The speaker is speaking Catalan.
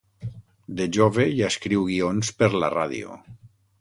De jove, ja escriu guions per la ràdio.